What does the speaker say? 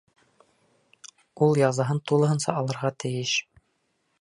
Ул язаһын тулыһынса алырға тейеш!